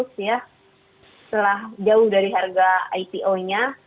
setelah jauh dari harga ipo nya